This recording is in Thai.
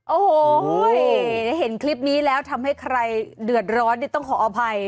โอ้โหเห็นคลิปนี้แล้วทำให้ใครเดือดร้อนนี่ต้องขออภัย